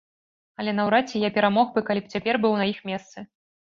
Але наўрад ці я перамог бы, калі б цяпер быў на іх месцы.